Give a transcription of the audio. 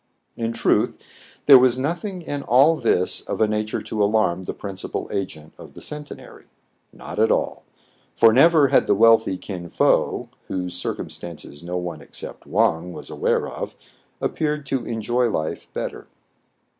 In truth, there was nothing in all this of a nature to alarm the principal agent of the Centenary. Not at all ; for never had the wealthy Kin Fo, — whose circumstances no one except Wang was aware of — appeared to enjoy life better.